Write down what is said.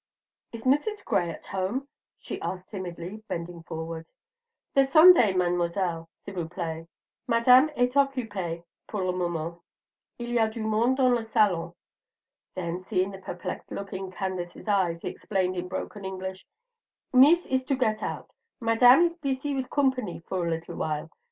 "Is Mrs. Gray at home?" she asked timidly, bending forward. "Descendez, Mademoiselle, s'il vous plaît. Madame est occupée pour le moment; il y a du monde dans le salon." Then, seeing the perplexed look in Candace's eyes, he explained in broken English: "Mees is to get out. Madame is beesy with coompany for little while.